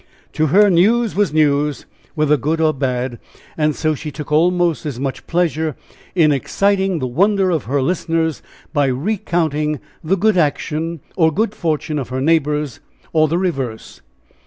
To her, news was news, whether good or bad, and so she took almost as much pleasure in exciting the wonder of her listeners by recounting the good action or good fortune of her neighbors or the reverse.